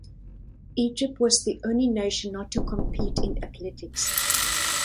Egypt was the only nation not to compete in athletics.